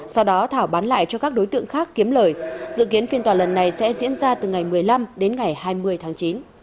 sau đó thảo bán lại cho các đối tượng khác kiếm lời dự kiến phiên tòa lần này sẽ diễn ra từ ngày một mươi năm đến ngày hai mươi tháng chín